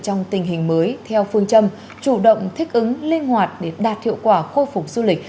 trong tình hình mới theo phương châm chủ động thích ứng linh hoạt để đạt hiệu quả khôi phục du lịch